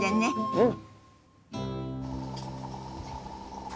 うん！